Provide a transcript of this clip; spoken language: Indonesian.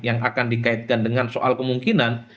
yang akan dikaitkan dengan soal kemungkinan